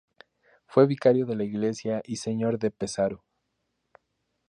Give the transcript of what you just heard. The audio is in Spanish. Fue vicario de la Iglesia y Señor de Pesaro.